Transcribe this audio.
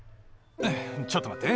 んちょっと待って。